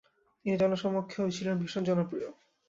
তিনি জনসমক্ষেও ছিলেন ভীষণ জনপ্রিয়।